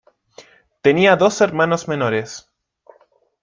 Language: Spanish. Tenía dos hermanos menores.